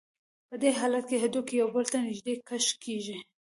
په دې حالت کې هډوکي یو بل ته نږدې کش کېږي.